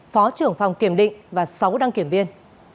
phó trưởng phòng kiểm định và sáu đăng kiểm viên